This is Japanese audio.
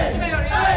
はい！